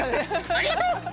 ありがとう！